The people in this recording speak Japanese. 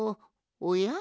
おや？